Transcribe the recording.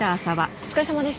お疲れさまです。